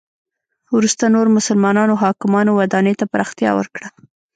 وروسته نورو مسلمانو حاکمانو ودانی ته پراختیا ورکړه.